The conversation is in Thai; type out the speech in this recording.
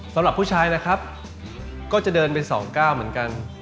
สำหรับผู้ชายนะครับก็จะเดินไป๒๙เหมือนกัน